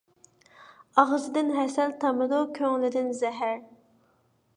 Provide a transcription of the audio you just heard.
ئاغزىدىن ھەسەل تامىدۇ، كۆڭلىدىن زەھەر.